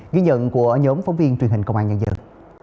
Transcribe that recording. ghi nhận của nhóm phóng viên truyền hình công an nhân dân